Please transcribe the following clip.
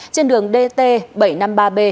trên đường dt bảy trăm năm mươi ba b